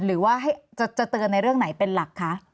หรือว่าจะเตือนในเรื่องไหนเป็นหลักคะ